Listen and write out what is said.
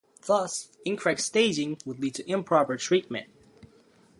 Thus, incorrect staging would lead to improper treatment.